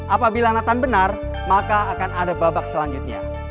apabila nathan benar maka akan ada babak selanjutnya